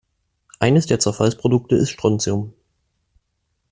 Eines der Zerfallsprodukte ist Strontium.